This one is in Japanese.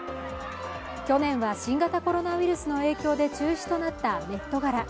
去年は新型コロナウイルスの影響で中止となったメット・ガラ。